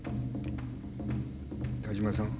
田島さん